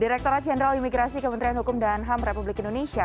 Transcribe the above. direkturat jenderal imigrasi kementerian hukum dan ham republik indonesia